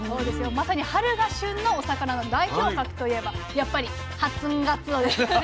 まさに春が旬のお魚の代表格と言えばやっぱり初がつおですよね。